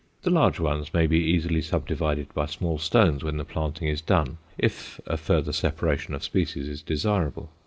The large ones may be easily subdivided by small stones when the planting is done if a further separation of species is desirable.